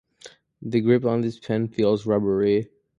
The grip on this pen feels rubbery.